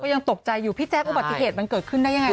ก็ยังตกใจอยู่พี่แจ๊บปฐิเทศมันเกิดขึ้นได้ยังไง